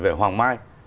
về hoàng mai